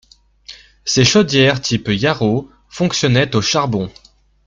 Ses chaudières type Yarrow fonctionnaient au charbon.